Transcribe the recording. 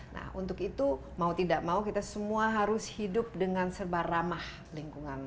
nah untuk itu mau tidak mau kita semua harus hidup dengan serba ramah lingkungan